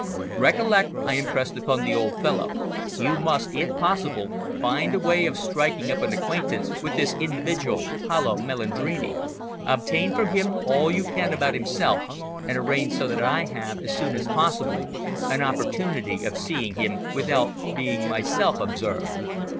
"Recollect," I impressed upon the old fellow, "you must, if possible, find a way of striking up an acquaintance with this individual, Paolo Melandrini, obtain from him all you can about himself, and arrange so that I have, as soon as possible, an opportunity of seeing him without being myself observed.